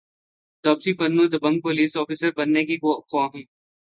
تاپسی پنو دبنگ پولیس افسر بننے کی خواہاں